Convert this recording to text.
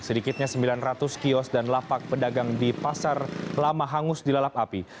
sedikitnya sembilan ratus kios dan lapak pedagang di pasar lama hangus dilalap api